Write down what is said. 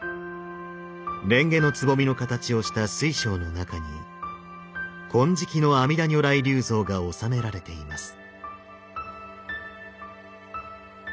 蓮華のつぼみの形をした水晶の中に金色の阿弥陀如来立像が納められています。